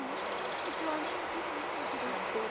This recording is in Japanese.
うちは何も聞いてないねんけど。